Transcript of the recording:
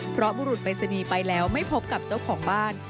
เพราะบุรุษปริศนีย์ไปแล้วไม่พบกับเจ้าของบ้าน